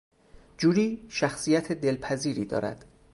جولی شخصیت دلپذیری دارد.